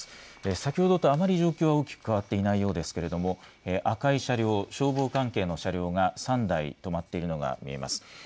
先ほどとあまり状況は大きく変わっていないようですけれども赤い車両、消防関係の車両が３台止まっているのが見えます。